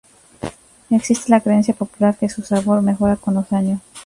Existe la creencia popular que su sabor mejora con los años.